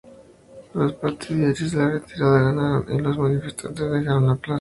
Los partidarios de la retirada ganaron, y los manifestantes dejaron la plaza.